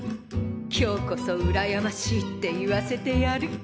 今日こそ「うらやましい」って言わせてやる。